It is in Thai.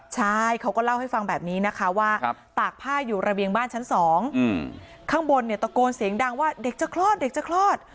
ใช่เขาก็เล่าให้ฟังแบบนี้นะคะว่าตากผ้าอยู่ระเบียงบ้านชั้น๒ข้างบนเนี่ยตะโกนเสียงดังว่าเด็กจะคลอดเด็กจะคลอด